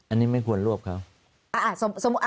อันนี้ไม่ควรรวบครับ